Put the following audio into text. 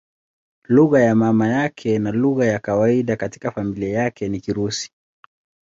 Lugha ya mama yake na lugha ya kawaida katika familia yake ni Kirusi.